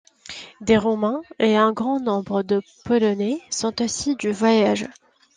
Des Roumains et un grand nombre de Polonais sont aussi du voyage.